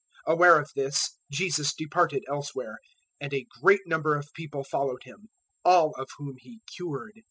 012:015 Aware of this, Jesus departed elsewhere; and a great number of people followed Him, all of whom He cured.